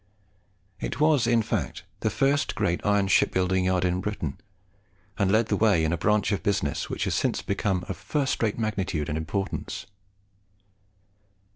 It was in fact the first great iron shipbuilding yard in Britain, and led the way in a branch of business which has since become of first rate magnitude and importance.